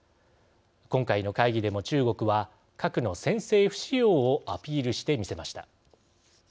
今回の会議でも中国は核の先制不使用をアピールしてみせました。